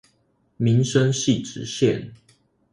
民生汐止線